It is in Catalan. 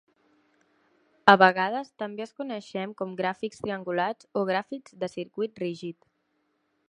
A vegades també es coneixem com gràfics triangulats o gràfics de circuit rígid.